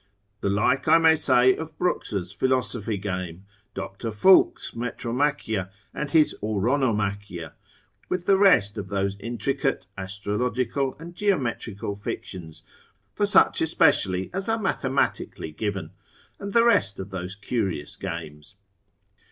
The like I may say of Col. Bruxer's philosophy game, D. Fulke's Metromachia and his Ouronomachia, with the rest of those intricate astrological and geometrical fictions, for such especially as are mathematically given; and the rest of those curious games.